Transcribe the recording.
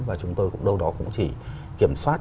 và chúng tôi cũng đâu đó cũng chỉ kiểm soát